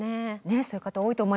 そういう方多いと思います。